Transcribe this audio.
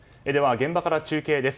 現場から中継です。